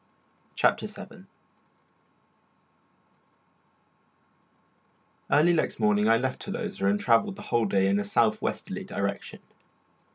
CHAPTER VII Early next morning I left Tolosa and travelled the whole day in a south westerly direction.